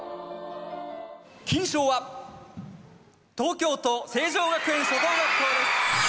金賞は東京都成城学園初等学校です。